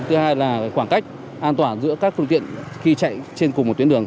thứ hai là khoảng cách an toàn giữa các phương tiện khi chạy trên cùng một tuyến đường